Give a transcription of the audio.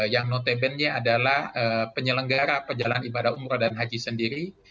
yang notabene adalah penyelenggara perjalanan ibadah umroh dan haji sendiri